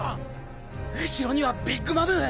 後ろにはビッグ・マム！